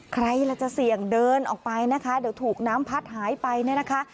ใครล่ะจะเสี่ยงเดินออกไปนะคะเดี๋ยวถูกน้ำพัดหายไปเนี่ยนะคะ